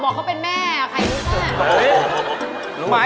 บอกเขาเป็นแม่ใครรู้ป่ะ